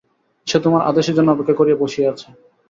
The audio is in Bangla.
সে তোমার আদেশের জন্য অপেক্ষা করিয়া বসিয়া আছে।